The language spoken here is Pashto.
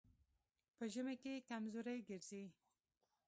په ژمي کې کمزوری ګرځي.